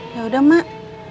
ya udah mak